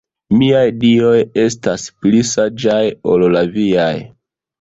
Miaj Dioj estas pli saĝaj ol la viaj.